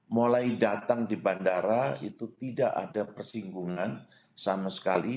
mulai datang di bandara itu tidak ada persinggungan sama sekali